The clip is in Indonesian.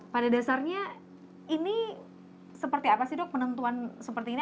pada dasarnya ini seperti apa sih dok penentuan seperti ini